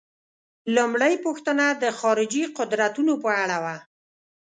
لومړۍ پوښتنه د خارجي قدرتونو په اړه وه.